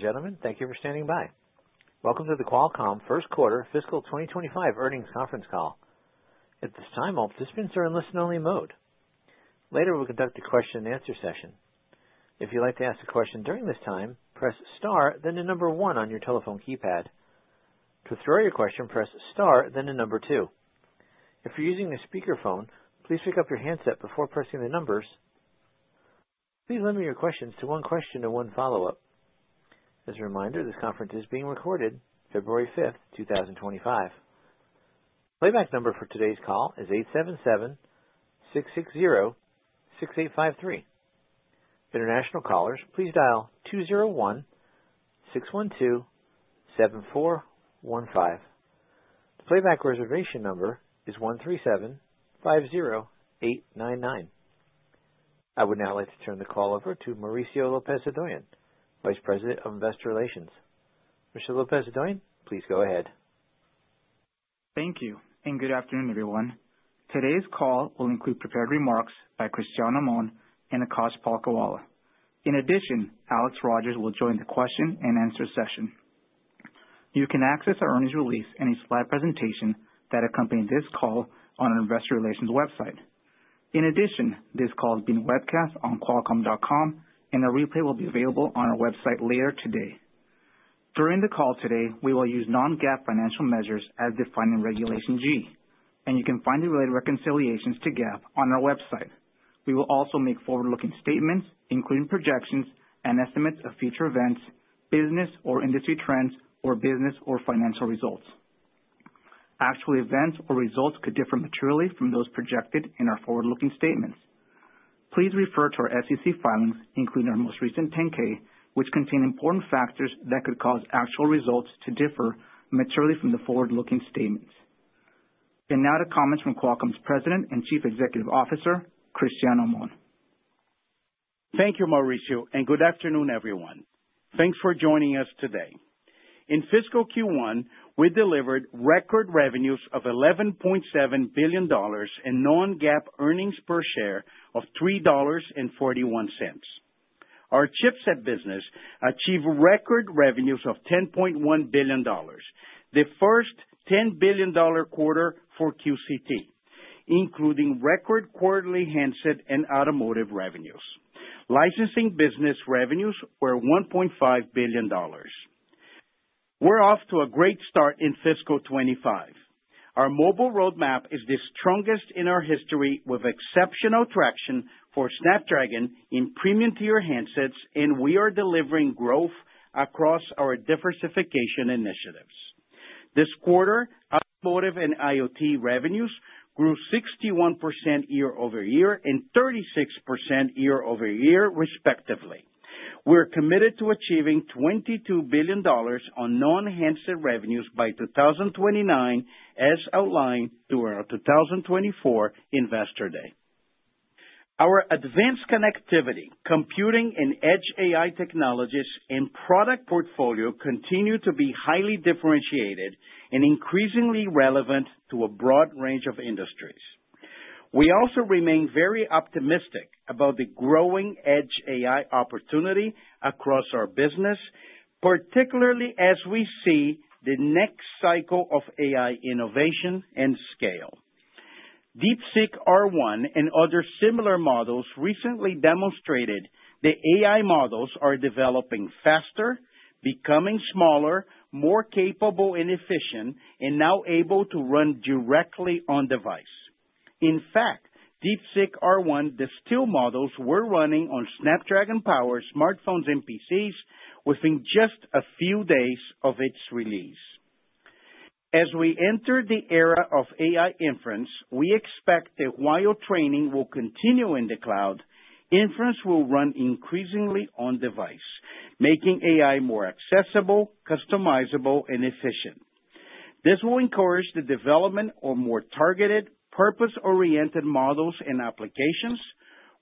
Gentlemen, thank you for standing by. Welcome to the Qualcomm First Quarter Fiscal 2025 Earnings Conference Call. At this time, all participants are in listen-only mode. Later, we'll conduct a question-and-answer session. If you'd like to ask a question during this time, press star then the number one on your telephone keypad. To withdraw your question, press star then the number two. If you're using a speakerphone, please pick up your handset before pressing the numbers. Please limit your questions to one question and one follow-up. As a reminder, this conference is being recorded. February 5th, 2025. The playback number for today's call is 877-660-6853. International callers, please dial 201-612-7415. The playback reservation number is 137-50899. I would now like to turn the call over to Mauricio Lopez-Hodoyan, Vice President of Investor Relations. Mr. Lopez-Hodoyan, please go ahead. Thank you, and good afternoon, everyone. Today's call will include prepared remarks by Cristiano Amon and Akash Palkhiwala. In addition, Alex Rogers will join the question-and-answer session. You can access our earnings release and a slide presentation that accompany this call on our Investor Relations website. In addition, this call is being webcast on Qualcomm.com, and a replay will be available on our website later today. During the call today, we will use non-GAAP financial measures as defined in Regulation G, and you can find the related reconciliations to GAAP on our website. We will also make forward-looking statements, including projections and estimates of future events, business or industry trends, or business or financial results. Actual events or results could differ materially from those projected in our forward-looking statements. Please refer to our SEC filings, including our most recent 10-K, which contain important factors that could cause actual results to differ materially from the forward-looking statements, and now to comments from Qualcomm's President and Chief Executive Officer, Cristiano Amon. Thank you, Mauricio, and good afternoon, everyone. Thanks for joining us today. In Fiscal Q1, we delivered record revenues of $11.7 billion and non-GAAP earnings per share of $3.41. Our chipset business achieved record revenues of $10.1 billion, the first $10 billion quarter for QCT, including record quarterly handset and automotive revenues. Licensing business revenues were $1.5 billion. We're off to a great start in Fiscal 2025. Our mobile roadmap is the strongest in our history, with exceptional traction for Snapdragon in premium-tier handsets, and we are delivering growth across our diversification initiatives. This quarter, automotive and IoT revenues grew 61% year-over-year and 36% year-over-year, respectively. We're committed to achieving $22 billion on non-handset revenues by 2029, as outlined during our 2024 Investor Day. Our advanced connectivity, computing, and edge AI technologies in product portfolio continue to be highly differentiated and increasingly relevant to a broad range of industries. We also remain very optimistic about the growing edge AI opportunity across our business, particularly as we see the next cycle of AI innovation and scale. DeepSeek R1 and other similar models recently demonstrated that AI models are developing faster, becoming smaller, more capable, and efficient, and now able to run directly on-device. In fact, DeepSeek R1 distilled models we're running on Snapdragon-powered smartphones and PCs within just a few days of its release. As we enter the era of AI inference, we expect that while training will continue in the cloud, inference will run increasingly on-device, making AI more accessible, customizable, and efficient. This will encourage the development of more targeted, purpose-oriented models and applications,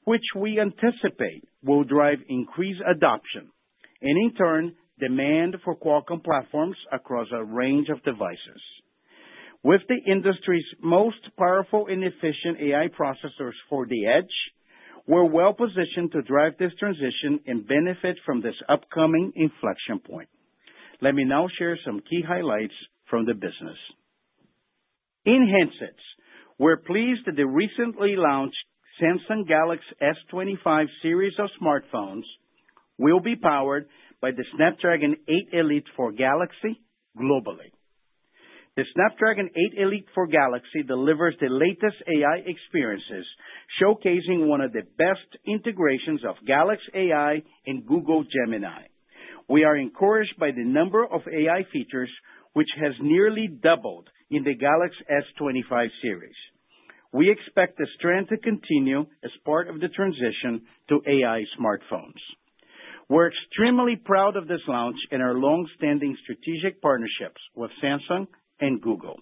which we anticipate will drive increased adoption and, in turn, demand for Qualcomm platforms across a range of devices. With the industry's most powerful and efficient AI processors for the edge, we're well-positioned to drive this transition and benefit from this upcoming inflection point. Let me now share some key highlights from the business. In handsets, we're pleased that the recently launched Samsung Galaxy S25 series of smartphones will be powered by the Snapdragon 8 Elite for Galaxy globally. The Snapdragon 8 Elite for Galaxy delivers the latest AI experiences, showcasing one of the best integrations of Galaxy AI and Google Gemini. We are encouraged by the number of AI features, which has nearly doubled in the Galaxy S25 series. We expect the trend to continue as part of the transition to AI smartphones. We're extremely proud of this launch and our long-standing strategic partnerships with Samsung and Google.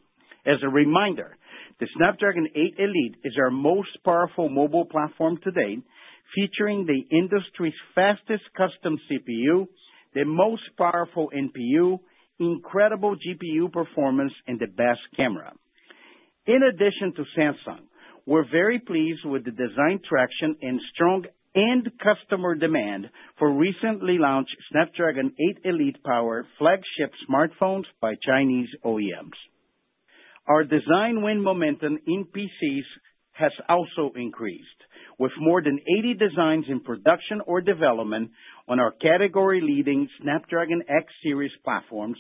As a reminder, the Snapdragon 8 Elite is our most powerful mobile platform today, featuring the industry's fastest custom CPU, the most powerful NPU, incredible GPU performance, and the best camera. In addition to Samsung, we're very pleased with the design traction and strong end-customer demand for recently launched Snapdragon 8 Elite-powered flagship smartphones by Chinese OEMs. Our design win momentum in PCs has also increased, with more than 80 designs in production or development on our category-leading Snapdragon X series platforms,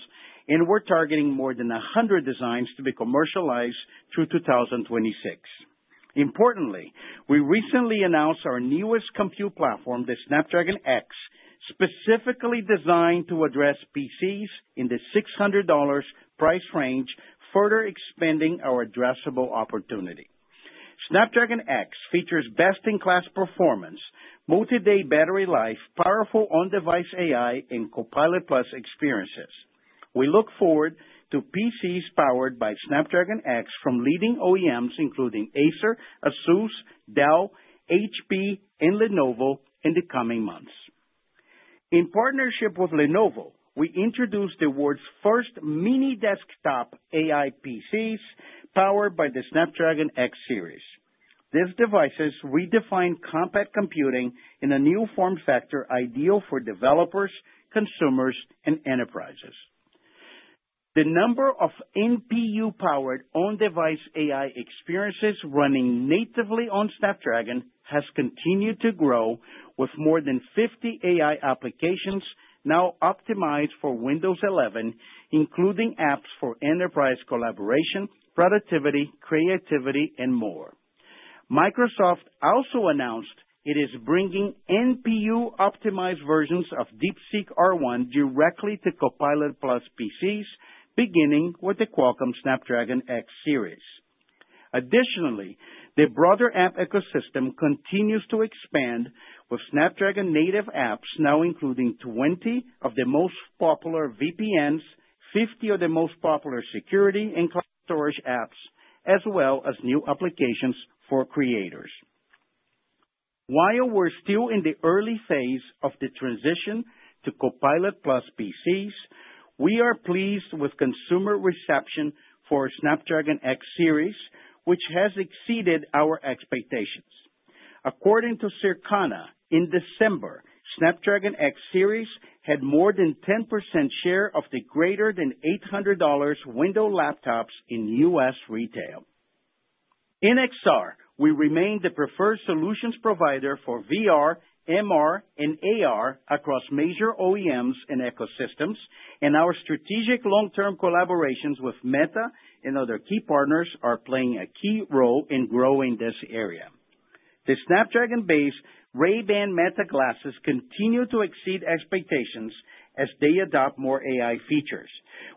and we're targeting more than 100 designs to be commercialized through 2026. Importantly, we recently announced our newest compute platform, the Snapdragon X, specifically designed to address PCs in the $600 price range, further expanding our addressable opportunity. Snapdragon X features best-in-class performance, multi-day battery life, powerful on-device AI, and Copilot+ experiences. We look forward to PCs powered by Snapdragon X from leading OEMs, including Acer, ASUS, Dell, HP, and Lenovo, in the coming months. In partnership with Lenovo, we introduced the world's first mini desktop AI PCs powered by the Snapdragon X series. These devices redefine compact computing in a new form factor ideal for developers, consumers, and enterprises. The number of NPU-powered on-device AI experiences running natively on Snapdragon has continued to grow, with more than 50 AI applications now optimized for Windows 11, including apps for enterprise collaboration, productivity, creativity, and more. Microsoft also announced it is bringing NPU-optimized versions of DeepSeek R1 directly to Copilot+ PCs, beginning with the Qualcomm Snapdragon X series. Additionally, the broader app ecosystem continues to expand, with Snapdragon-native apps now including 20 of the most popular VPNs, 50 of the most popular security and cloud storage apps, as well as new applications for creators. While we're still in the early phase of the transition to Copilot+ PCs, we are pleased with consumer reception for Snapdragon X series, which has exceeded our expectations. According to Circana, in December, Snapdragon X series had more than 10% share of the greater than $800 Windows laptops in U.S. retail. In XR, we remain the preferred solutions provider for VR, MR, and AR across major OEMs and ecosystems, and our strategic long-term collaborations with Meta and other key partners are playing a key role in growing this area. The Snapdragon-based Ray-Ban Meta glasses continue to exceed expectations as they adopt more AI features.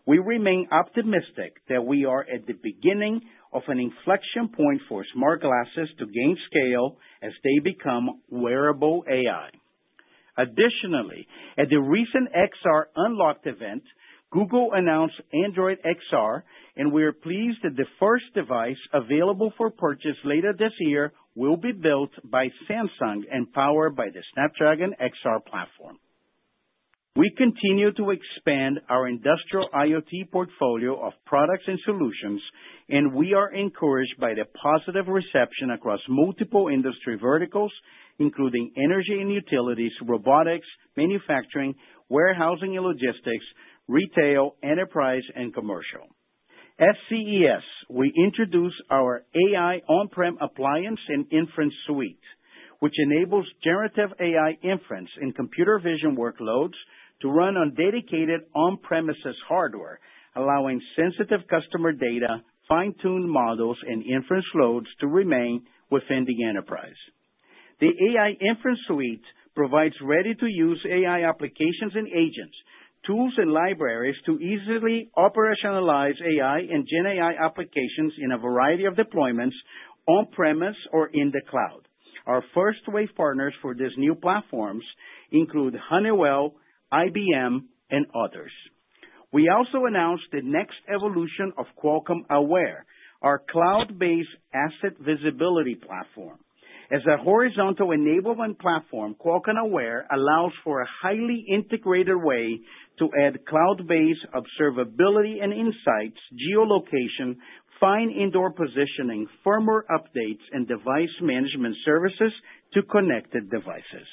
We remain optimistic that we are at the beginning of an inflection point for smart glasses to gain scale as they become wearable AI. Additionally, at the recent XR Unlocked event, Google announced Android XR, and we are pleased that the first device available for purchase later this year will be built by Samsung and powered by the Snapdragon XR platform. We continue to expand our industrial IoT portfolio of products and solutions, and we are encouraged by the positive reception across multiple industry verticals, including energy and utilities, robotics, manufacturing, warehousing and logistics, retail, enterprise, and commercial. At CES, we introduced our AI on-prem appliance and inference suite, which enables generative AI inference and computer vision workloads to run on dedicated on-premises hardware, allowing sensitive customer data, fine-tuned models, and inference loads to remain within the enterprise. The AI Inference Suite provides ready-to-use AI applications and agents, tools, and libraries to easily operationalize AI and GenAI applications in a variety of deployments, on-premise or in the cloud. Our first-wave partners for these new platforms include Honeywell, IBM, and others. We also announced the next evolution of Qualcomm Aware, our cloud-based asset visibility platform. As a horizontal enablement platform, Qualcomm Aware allows for a highly integrated way to add cloud-based observability and insights, geolocation, fine indoor positioning, firmware updates, and device management services to connected devices.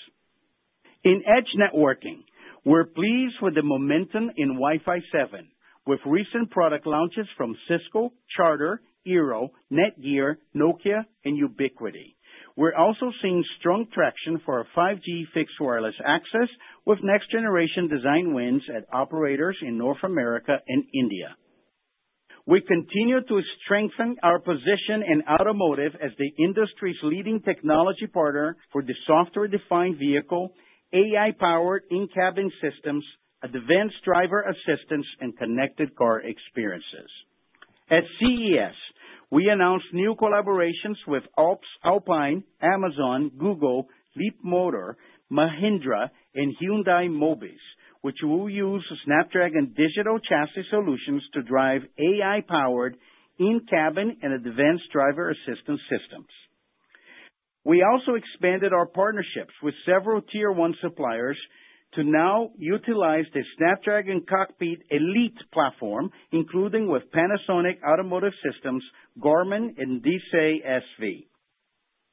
In edge networking, we're pleased with the momentum in Wi-Fi 7, with recent product launches from Cisco, Charter, Eero, NETGEAR, Nokia, and Ubiquiti. We're also seeing strong traction for 5G Fixed Wireless Access with next-generation design wins at operators in North America and India. We continue to strengthen our position in automotive as the industry's leading technology partner for the software-defined vehicle, AI-powered in-cabin systems, advanced driver assistance, and connected car experiences. At CES, we announced new collaborations with Alpine, Amazon, Google, Leapmotor, Mahindra, and Hyundai Mobis, which will use Snapdragon digital chassis solutions to drive AI-powered in-cabin and advanced driver assistance systems. We also expanded our partnerships with several tier-one suppliers to now utilize the Snapdragon Cockpit Elite platform, including with Panasonic Automotive Systems, Garmin, and Desay SV.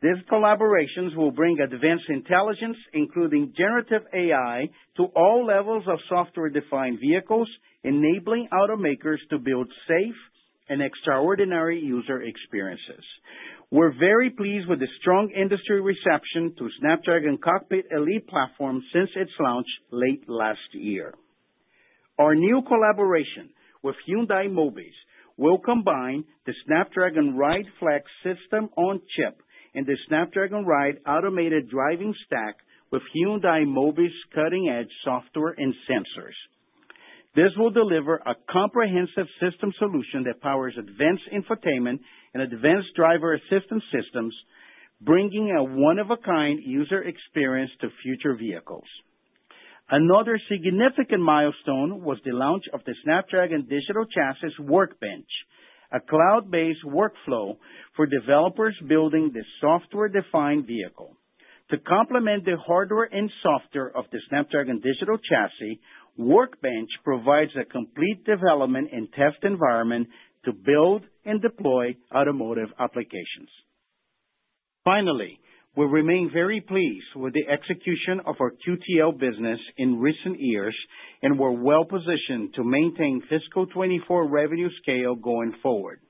These collaborations will bring advanced intelligence, including generative AI, to all levels of software-defined vehicles, enabling automakers to build safe and extraordinary user experiences. We're very pleased with the strong industry reception to Snapdragon Cockpit Elite platform since its launch late last year. Our new collaboration with Hyundai Mobis will combine the Snapdragon Ride Flex system on chip and the Snapdragon Ride automated driving stack with Hyundai Mobis' cutting-edge software and sensors. This will deliver a comprehensive system solution that powers advanced infotainment and advanced driver assistance systems, bringing a one-of-a-kind user experience to future vehicles. Another significant milestone was the launch of the Snapdragon Digital Chassis Workbench, a cloud-based workflow for developers building the software-defined vehicle. To complement the hardware and software of the Snapdragon Digital Chassis, Workbench provides a complete development and test environment to build and deploy automotive applications. Finally, we remain very pleased with the execution of our QTL business in recent years and were well-positioned to maintain fiscal 2024 revenue scale going forward.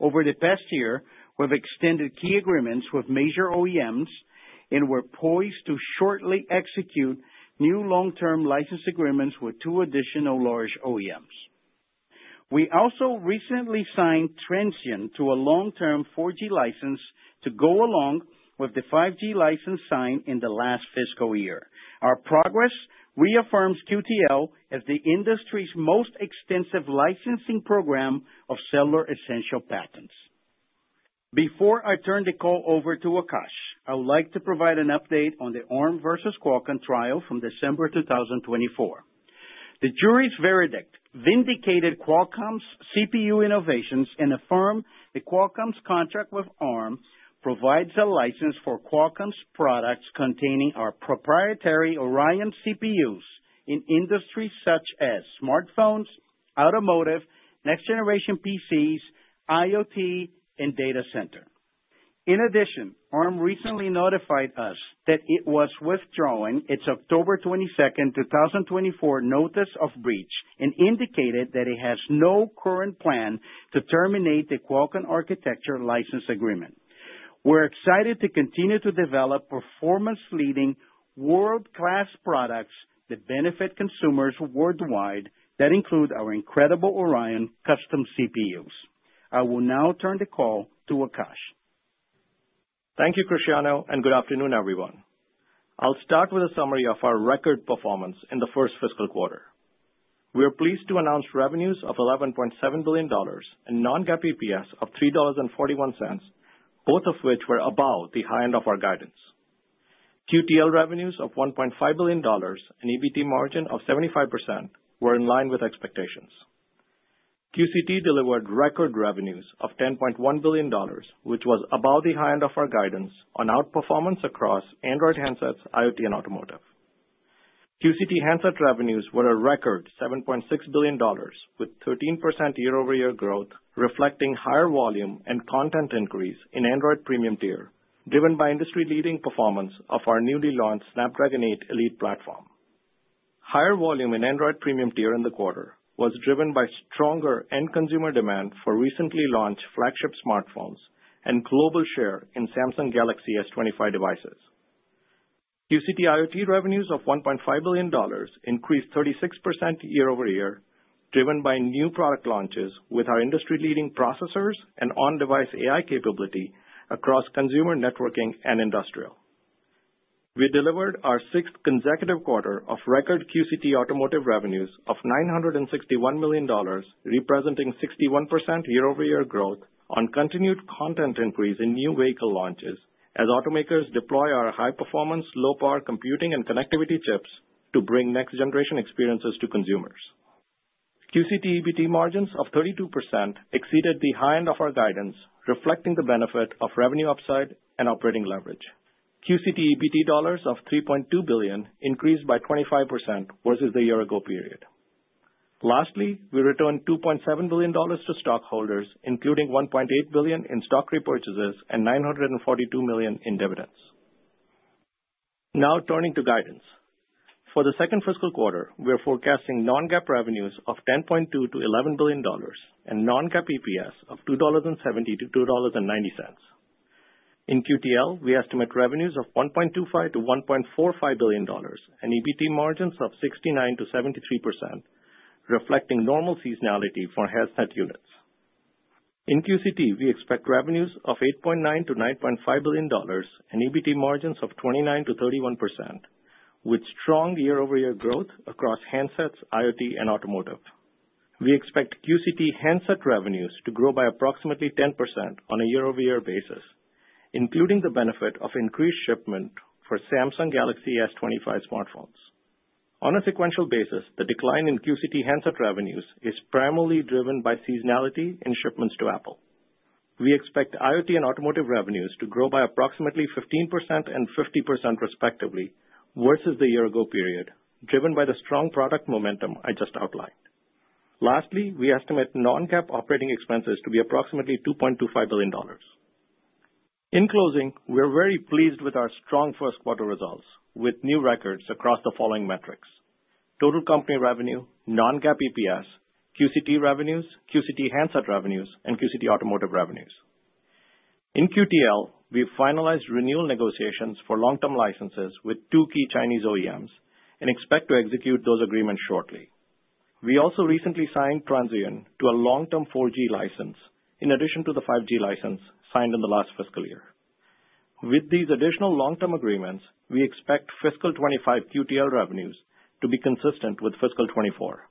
Over the past year, we've extended key agreements with major OEMs and were poised to shortly execute new long-term license agreements with two additional large OEMs. We also recently signed Transsion to a long-term 4G license to go along with the 5G license signed in the last fiscal year. Our progress reaffirms QTL as the industry's most extensive licensing program of cellular essential patents. Before I turn the call over to Akash, I would like to provide an update on the Arm versus Qualcomm trial from December 2024. The jury's verdict vindicated Qualcomm's CPU innovations and affirmed that Qualcomm's contract with Arm provides a license for Qualcomm's products containing our proprietary Oryon CPUs in industries such as smartphones, automotive, next-generation PCs, IoT, and data center. In addition, Arm recently notified us that it was withdrawing its October 22, 2024, notice of breach and indicated that it has no current plan to terminate the Qualcomm architecture license agreement. We're excited to continue to develop performance-leading world-class products that benefit consumers worldwide that include our incredible Oryon custom CPUs. I will now turn the call to Akash. Thank you, Cristiano, and good afternoon, everyone. I'll start with a summary of our record performance in the first fiscal quarter. We are pleased to announce revenues of $11.7 billion and non-GAAP EPS of $3.41, both of which were above the high end of our guidance. QTL revenues of $1.5 billion and EBITDA margin of 75% were in line with expectations. QCT delivered record revenues of $10.1 billion, which was above the high end of our guidance on outperformance across Android handsets, IoT, and automotive. QCT handset revenues were a record $7.6 billion, with 13% year-over-year growth reflecting higher volume and content increase in Android premium tier, driven by industry-leading performance of our newly launched Snapdragon 8 Elite platform. Higher volume in Android premium tier in the quarter was driven by stronger end-consumer demand for recently launched flagship smartphones and global share in Samsung Galaxy S25 devices. QCT IoT revenues of $1.5 billion increased 36% year-over-year, driven by new product launches with our industry-leading processors and on-device AI capability across consumer networking and industrial. We delivered our sixth consecutive quarter of record QCT automotive revenues of $961 million, representing 61% year-over-year growth on continued content increase in new vehicle launches as automakers deploy our high-performance, low-power computing and connectivity chips to bring next-generation experiences to consumers. QCT EBITDA margins of 32% exceeded the high end of our guidance, reflecting the benefit of revenue upside and operating leverage. QCT EBITDA dollars of $3.2 billion increased by 25% versus the year-ago period. Lastly, we returned $2.7 billion to stockholders, including $1.8 billion in stock repurchases and $942 million in dividends. Now turning to guidance. For the second fiscal quarter, we are forecasting non-GAAP revenues of $10.2billion -$11 billion and non-GAAP EPS of $2.70-$2.90. In QTL, we estimate revenues of $1.25 billion-$1.45 billion and EBITDA margins of 69%-73%, reflecting normal seasonality for handset units. In QCT, we expect revenues of $8.9 billion-$9.5 billion and EBITDA margins of 29%-31%, with strong year-over-year growth across handsets, IoT, and automotive. We expect QCT handset revenues to grow by approximately 10% on a year-over-year basis, including the benefit of increased shipment for Samsung Galaxy S25 smartphones. On a sequential basis, the decline in QCT handset revenues is primarily driven by seasonality and shipments to Apple. We expect IoT and automotive revenues to grow by approximately 15% and 50% respectively versus the year-ago period, driven by the strong product momentum I just outlined. Lastly, we estimate non-GAAP operating expenses to be approximately $2.25 billion. In closing, we are very pleased with our strong first quarter results, with new records across the following metrics: total company revenue, non-GAAP EPS, QCT revenues, QCT handset revenues, and QCT automotive revenues. In QTL, we finalized renewal negotiations for long-term licenses with two key Chinese OEMs and expect to execute those agreements shortly. We also recently signed Transsion to a long-term 4G license in addition to the 5G license signed in the last fiscal year. With these additional long-term agreements, we expect fiscal 2025 QTL revenues to be consistent with fiscal 2024.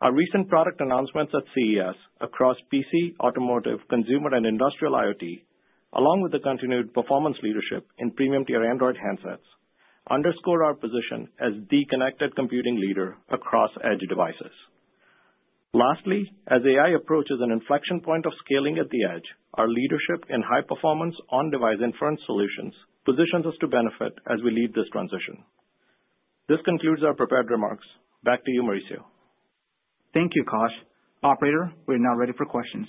Our recent product announcements at CES across PC, automotive, consumer, and industrial IoT, along with the continued performance leadership in premium tier Android handsets, underscore our position as the connected computing leader across edge devices. Lastly, as AI approaches an inflection point of scaling at the edge, our leadership in high-performance on-device inference solutions positions us to benefit as we lead this transition. This concludes our prepared remarks. Back to you, Mauricio. Thank you, Akash. Operator, we are now ready for questions.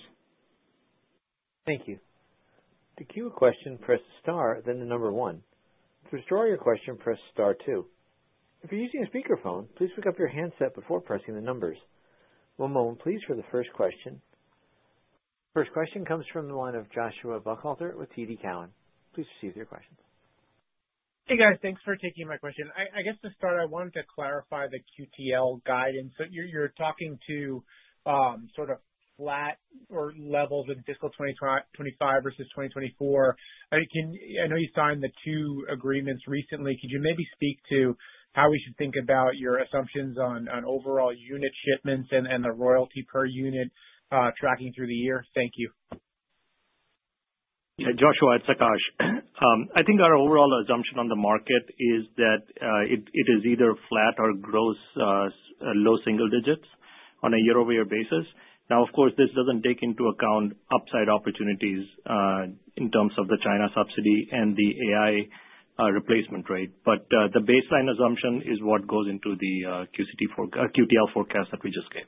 Thank you. To queue a question, press Star, then the number one. To restore your question, press Star two. If you're using a speakerphone, please pick up your handset before pressing the numbers. One moment, please, for the first question. First question comes from the line of Joshua Buchalter with TD Cowen. Please proceed with your question. Hey, guys. Thanks for taking my question. I guess to start, I wanted to clarify the QTL guidance. You're talking to sort of flat levels in fiscal 2025 versus 2024. I know you signed the two agreements recently. Could you maybe speak to how we should think about your assumptions on overall unit shipments and the royalty per unit tracking through the year? Thank you. Joshua, it's Akash. I think our overall assumption on the market is that it is either flat or grows low single digits on a year-over-year basis. Now, of course, this doesn't take into account upside opportunities in terms of the China subsidy and the AI replacement rate. But the baseline assumption is what goes into the QTL forecast that we just gave.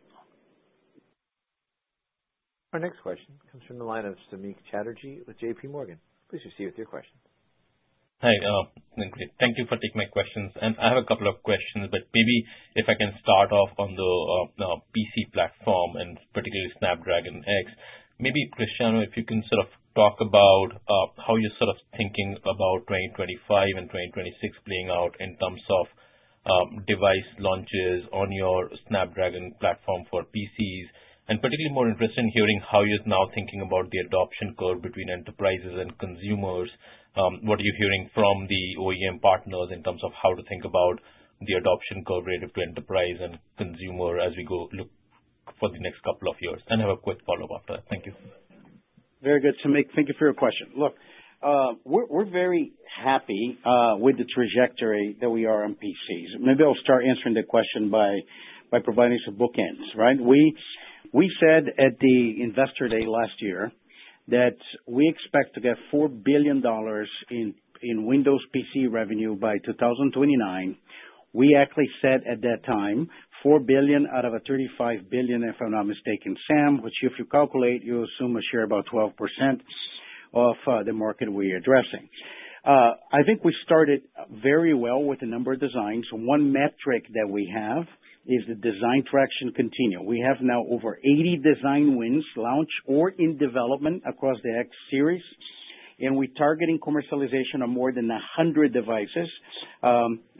Our next question comes from the line of Samik Chatterjee with JPMorgan. Please proceed with your question. Hi. Thank you for taking my questions. And I have a couple of questions, but maybe if I can start off on the PC platform and particularly Snapdragon X. Maybe, Cristiano, if you can sort of talk about how you're sort of thinking about 2025 and 2026 playing out in terms of device launches on your Snapdragon platform for PCs. And particularly, more interested in hearing how you're now thinking about the adoption curve between enterprises and consumers. What are you hearing from the OEM partners in terms of how to think about the adoption curve relative to enterprise and consumer as we go look for the next couple of years? And have a quick follow-up after that. Thank you. Very good. Samik, thank you for your question. Look, we're very happy with the trajectory that we are on PCs. Maybe I'll start answering the question by providing some bookends. We said at the investor day last year that we expect to get $4 billion in Windows PC revenue by 2029. We actually said at that time, $4 billion out of a $35 billion, if I'm not mistaken, Sam, which if you calculate, you assume a share about 12% of the market we're addressing. I think we started very well with the number of designs. One metric that we have is the design traction continue. We have now over 80 design wins launched or in development across the X series, and we're targeting commercialization on more than 100 devices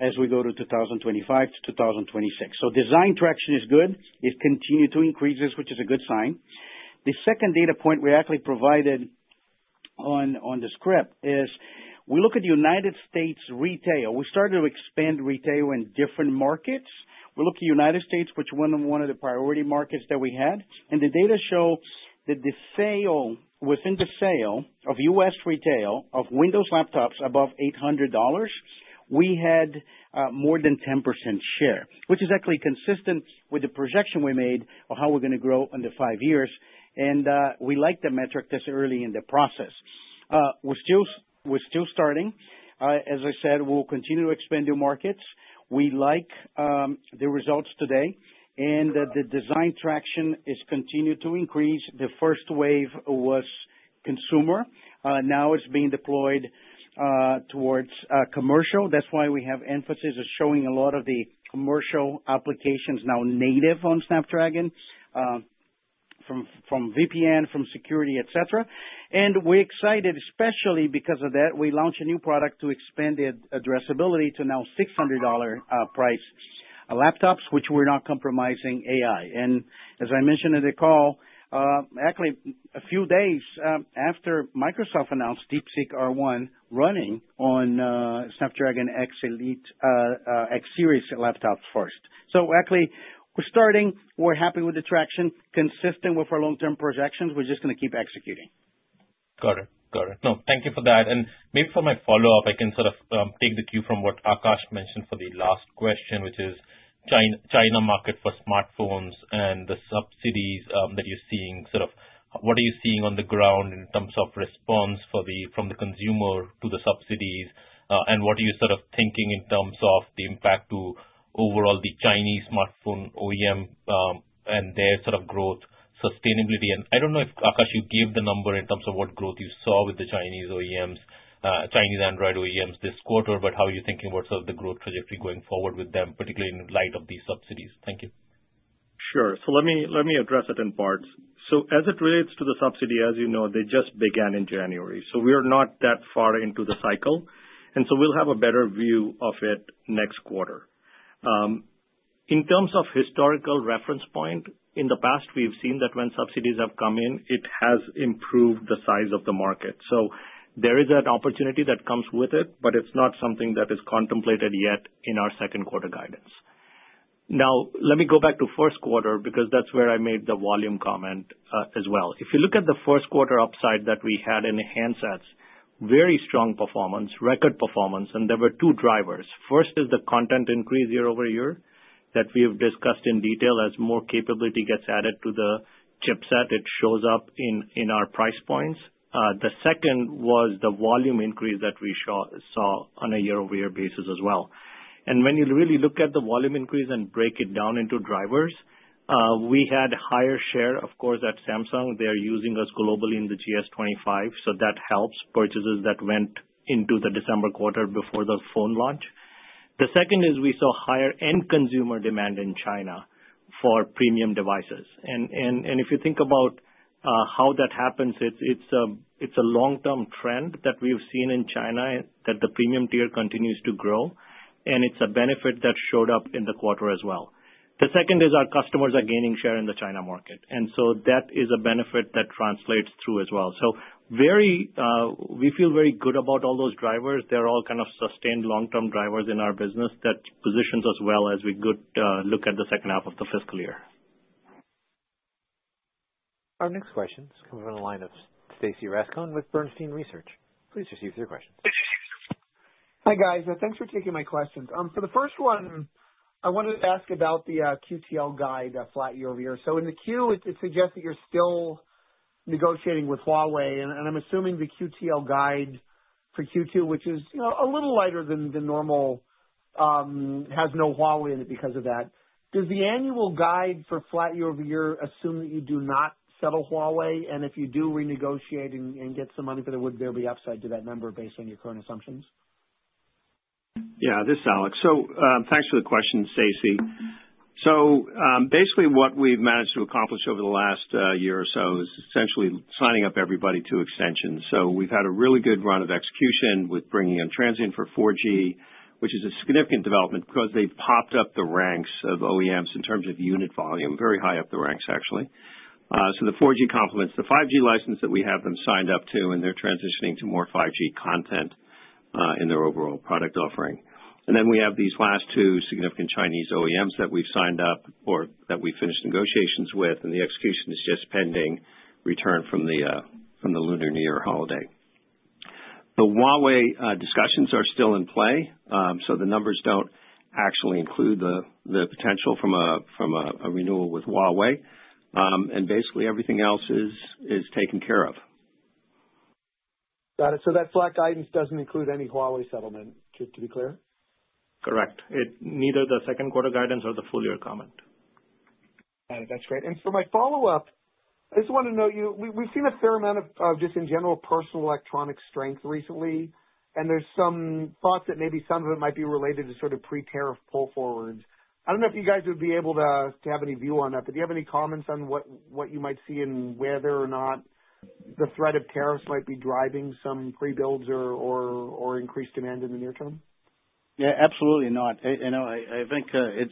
as we go to 2025 to 2026. So design traction is good. It continues to increase, which is a good sign. The second data point we actually provided on the script is we look at the United States retail. We started to expand retail in different markets. We look at the United States, which was one of the priority markets that we had, and the data show that within the sales of U.S. retail of Windows laptops above $800, we had more than 10% share, which is actually consistent with the projection we made of how we're going to grow over five years, and we liked the metric this early in the process. We're still starting. As I said, we'll continue to expand new markets. We like the results today, and the design traction has continued to increase. The first wave was consumer. Now it's being deployed towards commercial. That's why we have emphasis of showing a lot of the commercial applications now native on Snapdragon from VPN, from security, etc. And we're excited, especially because of that. We launched a new product to expand the addressability to now $600 price laptops, which we're not compromising AI. And as I mentioned in the call, actually a few days after Microsoft announced DeepSeek R1 running on Snapdragon X Elite X series laptops first. So actually, we're starting. We're happy with the traction. Consistent with our long-term projections. We're just going to keep executing. Got it. Got it. No, thank you for that. And maybe for my follow-up, I can sort of take the cue from what Akash mentioned for the last question, which is China market for smartphones and the subsidies that you're seeing. What are you seeing on the ground in terms of response from the consumer to the subsidies? And what are you sort of thinking in terms of the impact to overall the Chinese smartphone OEM and their sort of growth sustainability? And I don't know if Akash, you gave the number in terms of what growth you saw with the Chinese OEMs, Chinese Android OEMs this quarter, but how are you thinking about sort of the growth trajectory going forward with them, particularly in light of these subsidies? Thank you. Sure. So let me address it in parts. So as it relates to the subsidy, as you know, they just began in January. So we are not that far into the cycle. And so we'll have a better view of it next quarter. In terms of historical reference point, in the past, we've seen that when subsidies have come in, it has improved the size of the market. So there is an opportunity that comes with it, but it's not something that is contemplated yet in our second quarter guidance. Now, let me go back to first quarter because that's where I made the volume comment as well. If you look at the first quarter upside that we had in handsets, very strong performance, record performance, and there were two drivers. First is the content increase year-over-year that we have discussed in detail as more capability gets added to the chipset. It shows up in our price points. The second was the volume increase that we saw on a year-over-year basis as well. When you really look at the volume increase and break it down into drivers, we had a higher share, of course, at Samsung. They're using us globally in the GS25. So that helps purchases that went into the December quarter before the phone launch. The second is we saw higher end consumer demand in China for premium devices. And if you think about how that happens, it's a long-term trend that we've seen in China that the premium tier continues to grow. And it's a benefit that showed up in the quarter as well. The second is our customers are gaining share in the China market. And so that is a benefit that translates through as well. So we feel very good about all those drivers. They're all kind of sustained long-term drivers in our business that positions us well as we look at the second half of the fiscal year. Our next question is coming from the line of Stacy Rasgon with Bernstein Research. Please proceed with your questions. Hi, guys. Thanks for taking my questions. For the first one, I wanted to ask about the QTL guide flat year-over-year. So in the Q, it suggests that you're still negotiating with Huawei. And I'm assuming the QTL guide for Q2, which is a little lighter than normal, has no Huawei in it because of that. Does the annual guide for flat year-over-year assume that you do not settle Huawei? And if you do renegotiate and get some money for them, would there be upside to that number based on your current assumptions? Yeah. This is Alex. So thanks for the question, Stacy. So basically, what we've managed to accomplish over the last year or so is essentially signing up everybody to extensions. So we've had a really good run of execution with bringing in Transsion for 4G, which is a significant development because they've popped up the ranks of OEMs in terms of unit volume, very high up the ranks, actually. So the 4G complements the 5G license that we have them signed up to, and they're transitioning to more 5G content in their overall product offering. And then we have these last two significant Chinese OEMs that we've signed up or that we finished negotiations with, and the execution is just pending return from the Lunar New Year holiday. The Huawei discussions are still in play. So the numbers don't actually include the potential from a renewal with Huawei. And basically, everything else is taken care of. Got it. So that flat guidance doesn't include any Huawei settlement, to be clear? Correct. Neither the second quarter guidance or the full year comment. Got it. That's great. And for my follow-up, I just want to note that we've seen a fair amount of just in general personal electronics strength recently. And there's some thoughts that maybe some of it might be related to sort of pre-tariff pull forwards. I don't know if you guys would be able to have any view on that, but do you have any comments on what you might see and whether or not the threat of tariffs might be driving some pre-builds or increased demand in the near term? Yeah, absolutely not. I think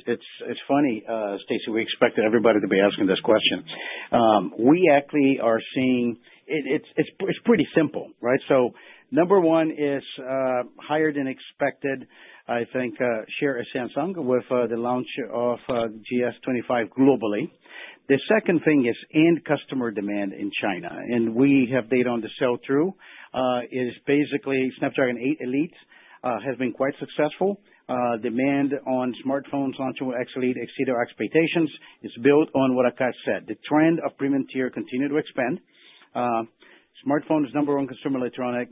it's funny, Stacy. We expected everybody to be asking this question. We actually are seeing it's pretty simple, right? Number one is higher than expected, I think, share of Samsung with the launch of GS25 globally. The second thing is end customer demand in China. We have data on the sell-through. It is basically Snapdragon 8 Elite has been quite successful. Demand on smartphones launching with 8 Elite exceeded our expectations. It's built on what Akash said. The trend of premium tier continued to expand. Smartphone is number one consumer electronic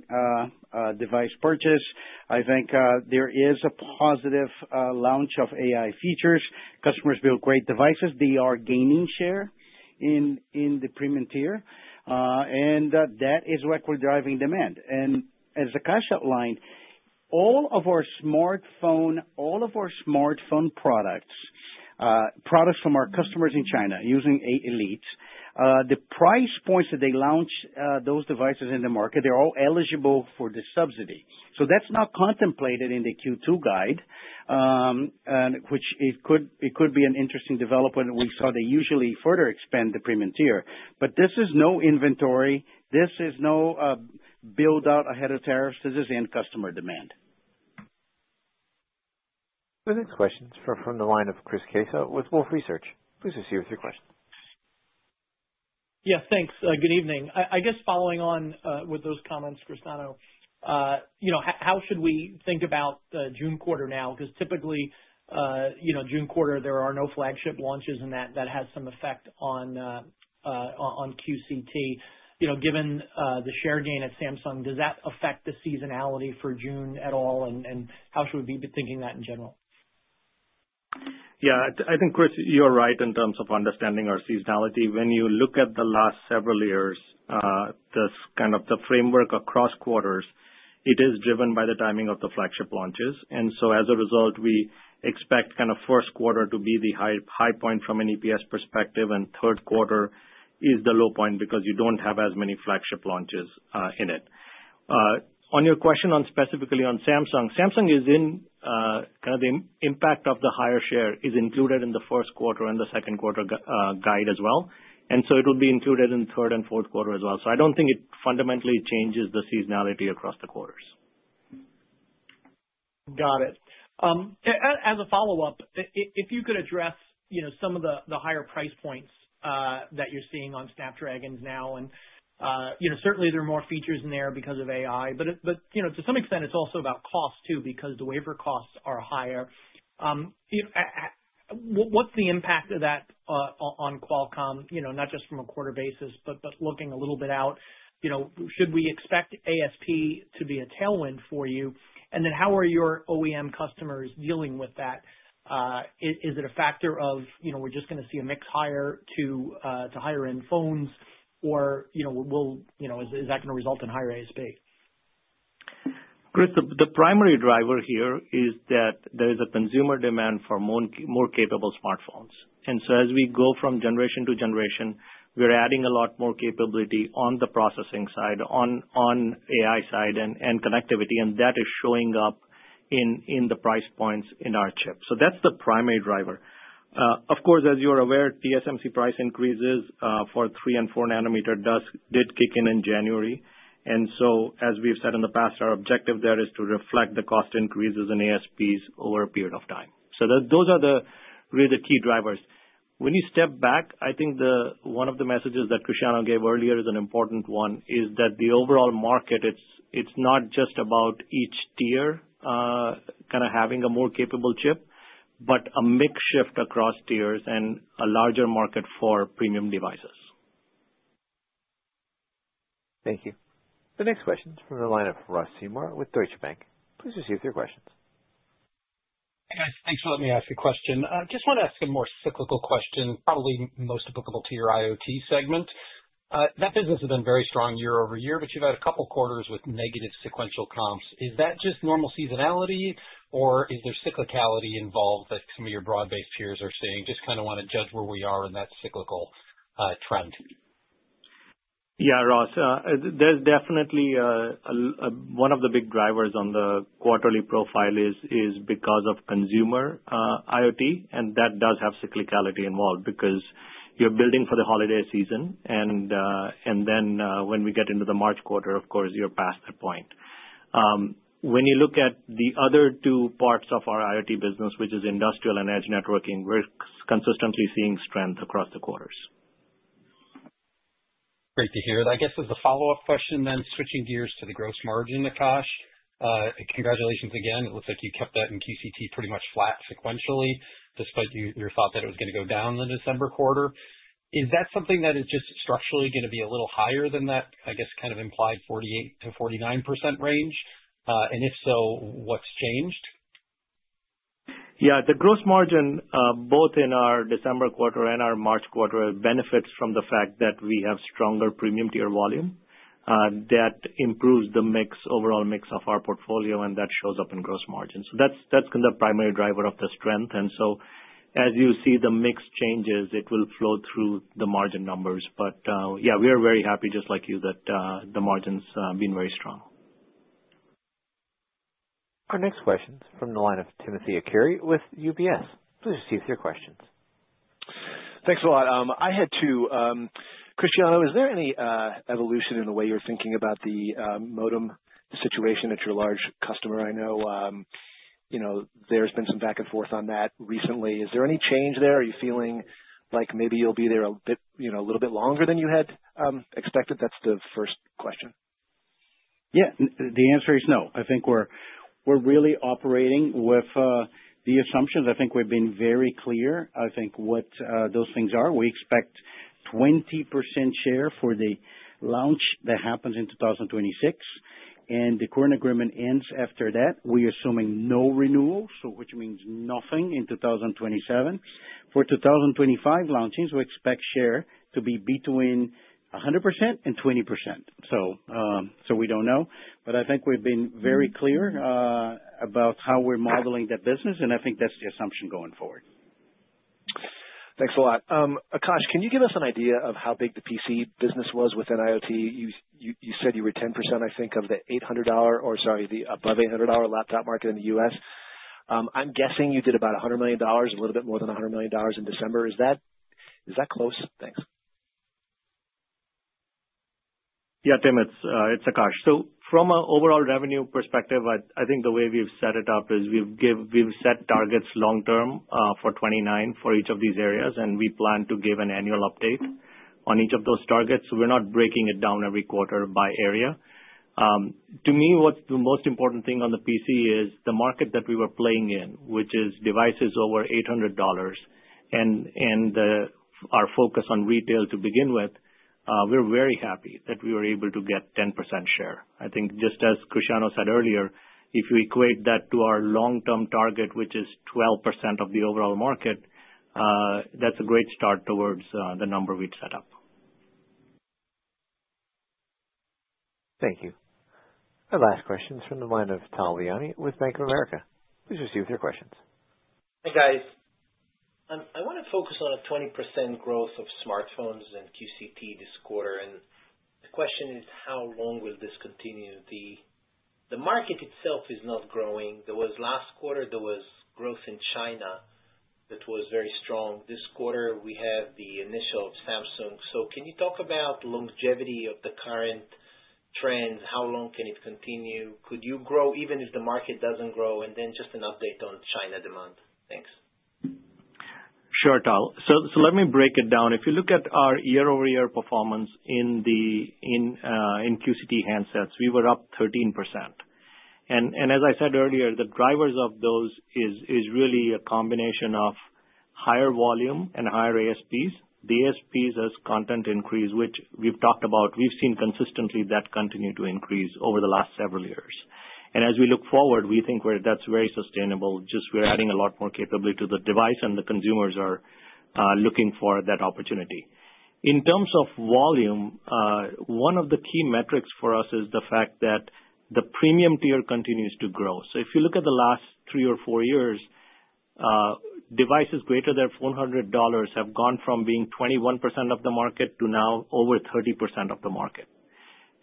device purchase. I think there is a positive launch of AI features. Customers build great devices. They are gaining share in the premium tier. That is what we're driving demand. As Akash outlined, all of our smartphone products from our customers in China using 8 Elites, the price points that they launch those devices in the market, they're all eligible for the subsidy. So that's not contemplated in the Q2 guide, which could be an interesting development. We saw they usually further expand the premium tier. But this is no inventory. This is no build-out ahead of tariffs. This is end customer demand. Our next question is from the line of Chris Caso with Wolfe Research. Please proceed with your question. Yes, thanks. Good evening. I guess following on with those comments, Cristiano, how should we think about June quarter now? Because typically, June quarter, there are no flagship launches, and that has some effect on QCT. Given the share gain at Samsung, does that affect the seasonality for June at all? And how should we be thinking that in general? Yeah. I think, Chris, you're right in terms of understanding our seasonality. When you look at the last several years, kind of the framework across quarters, it is driven by the timing of the flagship launches. And so as a result, we expect kind of first quarter to be the high point from an EPS perspective, and third quarter is the low point because you don't have as many flagship launches in it. On your question specifically on Samsung, Samsung is in kind of the impact of the higher share is included in the first quarter and the second quarter guide as well. And so it will be included in the third and fourth quarter as well. So I don't think it fundamentally changes the seasonality across the quarters. Got it. As a follow-up, if you could address some of the higher price points that you're seeing on Snapdragons now. And certainly, there are more features in there because of AI. But to some extent, it's also about cost too because the wafer costs are higher. What's the impact of that on Qualcomm, not just from a quarter basis, but looking a little bit out? Should we expect ASP to be a tailwind for you? And then how are your OEM customers dealing with that? Is it a factor of we're just going to see a mix higher to higher-end phones, or is that going to result in higher ASP? Chris, the primary driver here is that there is a consumer demand for more capable smartphones. And so as we go from generation to generation, we're adding a lot more capability on the processing side, on AI side, and connectivity. And that is showing up in the price points in our chip. So that's the primary driver. Of course, as you're aware, TSMC price increases for 3 and 4 nanometer did kick in in January. And so as we've said in the past, our objective there is to reflect the cost increases in ASPs over a period of time. So those are really the key drivers. When you step back, I think one of the messages that Cristiano gave earlier is an important one, is that the overall market, it's not just about each tier kind of having a more capable chip, but a mix shift across tiers and a larger market for premium devices. Thank you. The next question is from the line of Ross Seymore with Deutsche Bank. Please proceed with your questions. Hey, guys. Thanks for letting me ask a question. Just want to ask a more cyclical question, probably most applicable to your IoT segment. That business has been very strong year-over-year, but you've had a couple of quarters with negative sequential comps. Is that just normal seasonality, or is there cyclicality involved that some of your broad-based peers are seeing? Just kind of want to judge where we are in that cyclical trend. Yeah, Ross. There's definitely one of the big drivers on the quarterly profile is because of consumer IoT. And that does have cyclicality involved because you're building for the holiday season. And then when we get into the March quarter, of course, you're past that point. When you look at the other two parts of our IoT business, which is industrial and edge networking, we're consistently seeing strength across the quarters. Great to hear. I guess as a follow-up question, then switching gears to the gross margin, Akash. Congratulations again. It looks like you kept that in QCT pretty much flat sequentially, despite your thought that it was going to go down in the December quarter. Is that something that is just structurally going to be a little higher than that, I guess, kind of implied 48%-49% range? And if so, what's changed? Yeah. The gross margin, both in our December quarter and our March quarter, benefits from the fact that we have stronger premium tier volume. That improves the overall mix of our portfolio, and that shows up in gross margin. So that's kind of the primary driver of the strength. And so as you see the mix changes, it will flow through the margin numbers. But yeah, we are very happy, just like you, that the margins have been very strong. Our next question is from the line of Timothy Arcuri with UBS. Please proceed with your questions. Thanks a lot. I had two. Cristiano, is there any evolution in the way you're thinking about the modem situation at your large customer? I know there's been some back and forth on that recently. Is there any change there? Are you feeling like maybe you'll be there a little bit longer than you had expected? That's the first question. Yeah. The answer is no. I think we're really operating with the assumptions. I think we've been very clear. I think what those things are. We expect 20% share for the launch that happens in 2026. And the current agreement ends after that. We're assuming no renewal, which means nothing in 2027. For 2025 launches, we expect share to be between 100% and 20%. So we don't know. But I think we've been very clear about how we're modeling that business, and I think that's the assumption going forward. Thanks a lot. Akash, can you give us an idea of how big the PC business was within IoT? You said you were 10%, I think, of the $800 or, sorry, the above $800 laptop market in the U.S. I'm guessing you did about $100 million, a little bit more than $100 million in December. Is that close? Thanks. Yeah, Tim, it's Akash. So from an overall revenue perspective, I think the way we've set it up is we've set targets long-term for 2029 for each of these areas, and we plan to give an annual update on each of those targets. We're not breaking it down every quarter by area. To me, what's the most important thing on the PC is the market that we were playing in, which is devices over $800, and our focus on retail to begin with. We're very happy that we were able to get 10% share. I think just as Cristiano said earlier, if you equate that to our long-term target, which is 12% of the overall market, that's a great start towards the number we'd set up. Thank you. Our last question is from the line of Tal Liani with Bank of America. Please proceed with your questions. Hey, guys. I want to focus on a 20% growth of smartphones and QCT this quarter, and the question is, how long will this continue? The market itself is not growing. There was last quarter, there was growth in China that was very strong. This quarter, we have the initial Samsung. So, can you talk about longevity of the current trends? How long can it continue? Could you grow even if the market doesn't grow? And then just an update on China demand. Thanks. Sure, Tal. So let me break it down. If you look at our year-over-year performance in QCT handsets, we were up 13%. And as I said earlier, the drivers of those is really a combination of higher volume and higher ASPs. The ASPs as content increase, which we've talked about, we've seen consistently that continue to increase over the last several years. And as we look forward, we think that's very sustainable. Just we're adding a lot more capability to the device, and the consumers are looking for that opportunity. In terms of volume, one of the key metrics for us is the fact that the premium tier continues to grow. So if you look at the last three or four years, devices greater than $400 have gone from being 21% of the market to now over 30% of the market.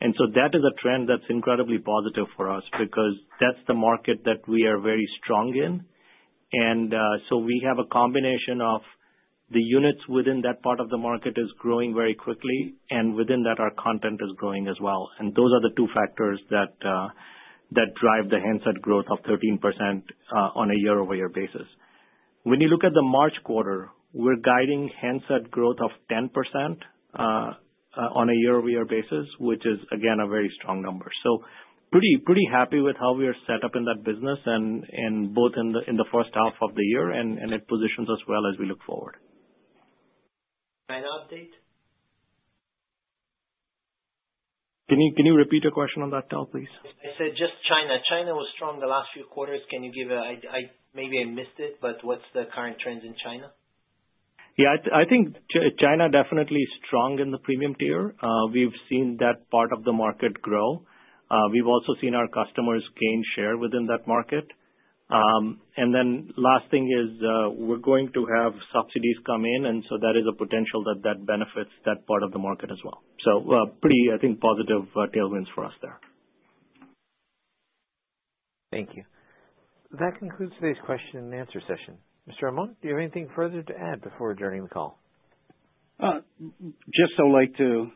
And so that is a trend that's incredibly positive for us because that's the market that we are very strong in. And so we have a combination of the units within that part of the market is growing very quickly, and within that, our content is growing as well. And those are the two factors that drive the handset growth of 13% on a year-over-year basis. When you look at the March quarter, we're guiding handset growth of 10% on a year-over-year basis, which is, again, a very strong number. So pretty happy with how we are set up in that business, and both in the first half of the year, and it positions us well as we look forward. Can I get an update? Can you repeat your question on that, Tal, please? I said just China. China was strong the last few quarters. Can you give a, maybe I missed it, but what's the current trends in China? Yeah. I think China definitely is strong in the premium tier. We've seen that part of the market grow. We've also seen our customers gain share within that market. And then last thing is we're going to have subsidies come in, and so that is a potential that benefits that part of the market as well. So pretty, I think, positive tailwinds for us there. Thank you. That concludes today's question and answer session. Mr. Amon, do you have anything further to add before adjourning the call? Just I'd like to.